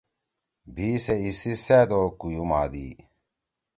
بھی سے ایسی سأت او کُویُو مادی۔